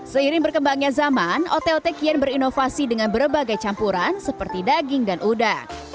seiring berkembangnya zaman ote ote kian berinovasi dengan berbagai campuran seperti daging dan udang